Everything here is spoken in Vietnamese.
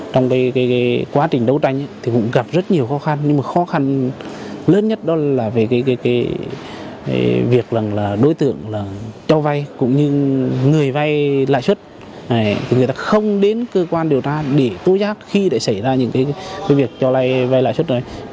trong quá trình đấu tranh cũng gặp rất nhiều khó khăn nhưng khó khăn lớn nhất là việc đối tượng cho vai cũng như người vai lại xuất người ta không đến cơ quan điều tra để tối giác khi xảy ra những việc cho vai lại xuất